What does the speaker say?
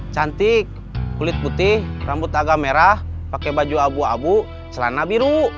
cantik kulit putih rambut agak merah pakai baju abu abu celana biru